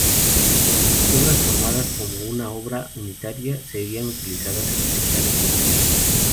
Las obras, formadas como una única obra unitaria, serían utilizadas en recitales posteriores.